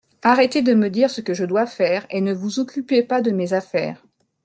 Arrêtez de me dire ce que je dois faire et ne vous occupez pas de mes affaires.